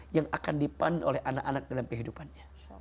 yang akan dipanen oleh anak anak dalam kehidupannya